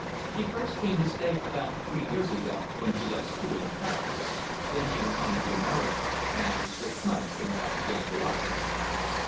She first came to stay about three years ago, when she left school in Paris. Then she went home to America, and after six months came back again to us."